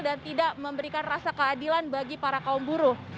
dan tidak memberikan rasa keadilan bagi para kaum buruh